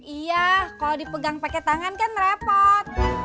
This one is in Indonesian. iya kalau dipegang pakai tangan kan repot